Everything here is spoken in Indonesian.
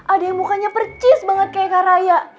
ada yang mukanya percis banget kayak kak raya